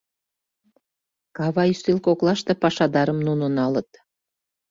Кава ӱстел коклаште пашадарым нуно налыт...